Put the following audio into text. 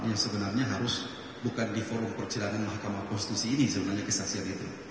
yang sebenarnya harus bukan di forum persidangan mahkamah konstitusi ini sebenarnya kesaksian itu